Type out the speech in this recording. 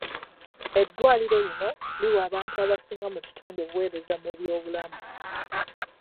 Eddwaliro lino liwa abantu abasinga mu kitundu obuweereza mu byobulamu.